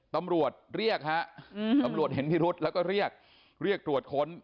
ตำรวจเรียกฮะตำรวจเห็นพิรุษแล้วก็เรียกเรียกตรวจค้น